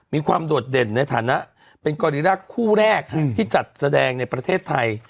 โดดเด่นในฐานะเป็นกรณีรักคู่แรกที่จัดแสดงในประเทศไทย